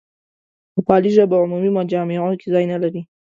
نوپالي ژبه عمومي مجامعو کې ځای نه لري.